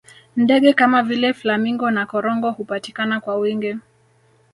ndege Kama vile flamingo na korongo hupatikana kwa wingi